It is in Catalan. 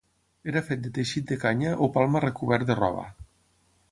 Era fet de teixit de canya o palma recobert de roba.